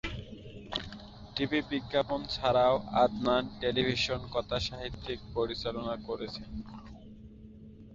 TV বিজ্ঞাপন ছাড়াও Adnan television কথাসাহিত্যিক পরিচালনা করেছেন।